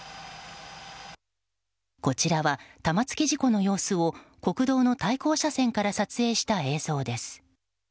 こちらは、玉突き事故の様子を国道の対向車線から撮影した映像です。